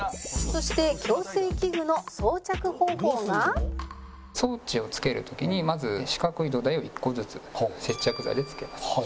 「そして矯正器具の装着方法が」装置をつける時にまず四角い土台を１個ずつ接着剤でつけます。